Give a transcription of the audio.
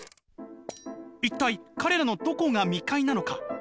「一体彼らのどこが未開なのか？